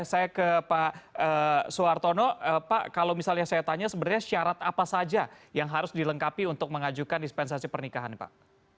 saya ke pak suhartono pak kalau misalnya saya tanya sebenarnya syarat apa saja yang harus dilengkapi untuk mengajukan dispensasi pernikahan pak